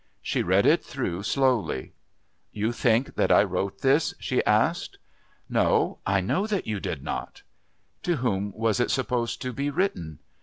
She read it through slowly. "You think that I wrote this?" she asked. "No, I know that you did not." "To whom was it supposed to be written?"